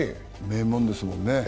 名門ですもんね。